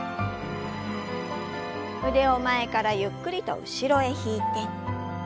腕を前からゆっくりと後ろへ引いて。